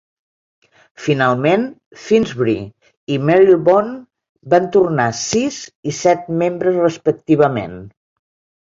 Finalment, Finsbury i Marylebone van tornar sis i set membres respectivament.